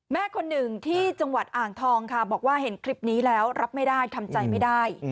แม่คนหนึ่งที่จังหวัดอ่างทองค่ะบอกว่าเห็นคลิปนี้แล้วรับไม่ได้ทำใจไม่ได้